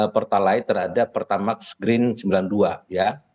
pertalite terhadap pertamax green sembilan puluh dua ya